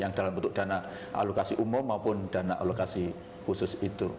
yang dalam bentuk dana alokasi umum maupun dana alokasi khusus itu